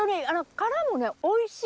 殻もねおいしい！